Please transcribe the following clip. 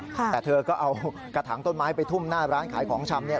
แต่เธอก็เอากระถางต้นไม้ไปทุ่มหน้าร้านขายของชำเนี่ย